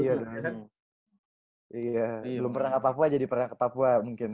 iya belum pernah ke papua jadi pernah ke papua mungkin